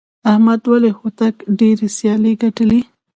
احمد ولي هوتک ډېرې سیالۍ ګټلي.